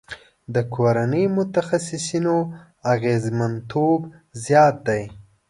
د کورني متخصصینو اغیزمنتوب زیات دی.